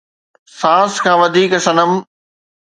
سانس کان وڌيڪ صنم